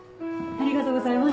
ありがとうございます。